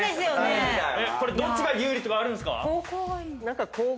どっちが有利とかあるんすか？